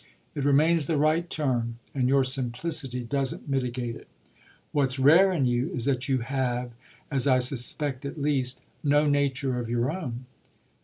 It remains the right term and your simplicity doesn't mitigate it. What's rare in you is that you have as I suspect at least no nature of your own."